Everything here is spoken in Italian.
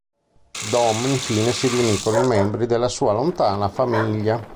Dome infine si riunì con i membri della sua lontana famiglia.